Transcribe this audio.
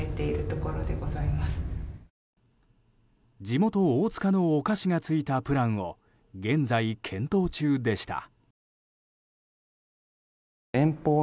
地元・大塚のお菓子がついたプランを現在、検討中でした。